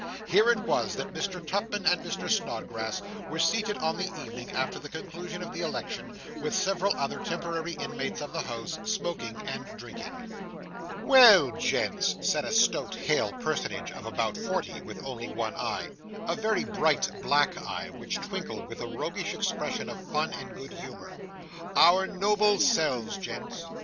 Here it was that Mr. Tupman and Mr. Snodgrass were seated on the evening after the conclusion of the election, with several other temporary inmates of the house, smoking and drinking. 'Well, gents,' said a stout, hale personage of about forty, with only one eye a very bright black eye, which twinkled with a roguish expression of fun and good humour, 'our noble selves, gents.